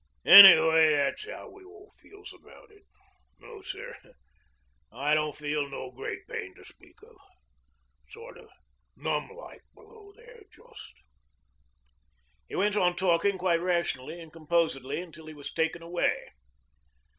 Any'ow that's 'ow we all feels about it. No, sir, I don't feel no great pain to speak of. Sort of numb like below there just.' He went on talking quite rationally and composedly until he was taken away.